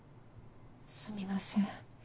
すみません。